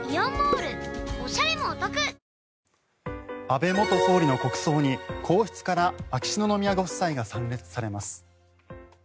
安倍元総理の国葬に皇室から秋篠宮ご夫妻が参列されます。